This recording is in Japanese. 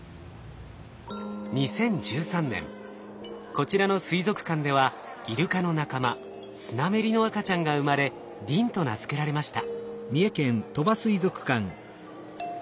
２０１３年こちらの水族館ではイルカの仲間スナメリの赤ちゃんが生まれリンと名付けられました。